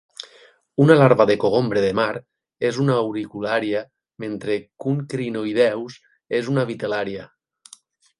Una larva de cogombre de mar és una auriculària mentre que un crinoïdeus és una vitel.lària.